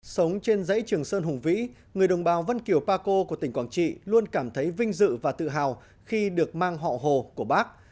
sống trên dãy trường sơn hùng vĩ người đồng bào vân kiều pa co của tỉnh quảng trị luôn cảm thấy vinh dự và tự hào khi được mang họ hồ của bác